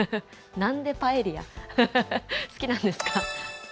なんでパエリア、好きなんですか？